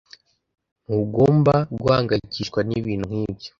Ntugomba guhangayikishwa nibintu nkibyo.